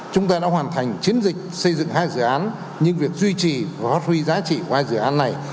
chúng ta đã hoàn thành chiến dịch xây dựng hai dự án nhưng việc duy trì và phát huy giá trị của hai dự án này